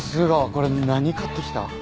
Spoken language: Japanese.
これ何買ってきた？